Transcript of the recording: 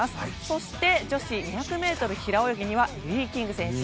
そして、女子２００ｍ平泳ぎにはリリー・キング選手。